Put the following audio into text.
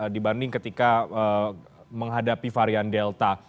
dibanding ketika menghadapi varian delta